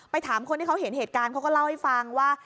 ถามคนที่เขาเห็นเหตุการณ์เขาก็เล่าให้ฟังว่า